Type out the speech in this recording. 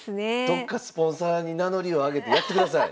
どっかスポンサーに名乗りを上げてやってください。